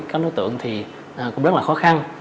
các đối tượng thì cũng rất là khó khăn